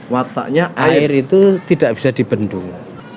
wataknya air itu tidak bisa dibendung